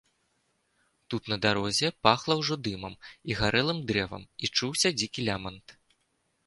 Тут, на дарозе, пахла ўжо дымам і гарэлым дрэвам і чуўся дзікі лямант.